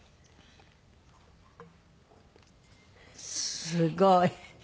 すごい。